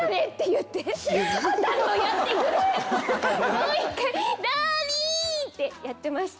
もう１回「ダーリン！」ってやってました。